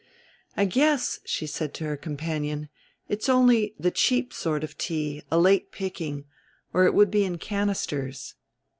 "I guess," she said to her companion, "it's only the cheap sort of tea, a late picking, or it would be in canisters."